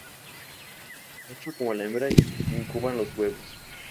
Tanto el macho como la hembra incuban los huevos.